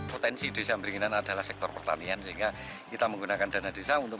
potensi desa beringinan adalah sektor pertanian sehingga kita menggunakan dana desa untuk